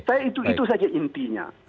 saya itu saja intinya